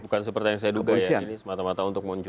bukan seperti yang saya duga ya ini semata mata untuk muncul